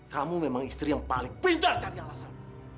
kamu memang istri yang paling pendek cari alasan